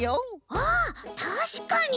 あたしかに！